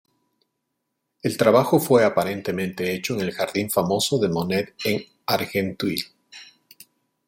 El trabajo fue aparentemente hecho en el jardín famoso de Monet en Argenteuil.